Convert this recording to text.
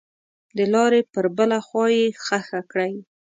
دلارې پر بله خوا یې ښخه کړئ.